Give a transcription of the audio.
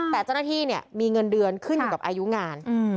แต่เจ้าหน้าที่มีเงินเดือนขึ้นกับอายุงาน